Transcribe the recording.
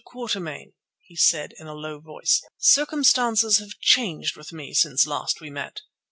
Quatermain," he said in a low voice, "circumstances have changed with me since last we met."